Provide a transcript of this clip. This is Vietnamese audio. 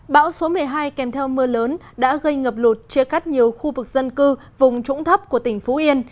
bão số một mươi hai kèm theo mưa lớn đã gây ngập lụt chia cắt nhiều khu vực dân cư vùng trũng thấp của tỉnh phú yên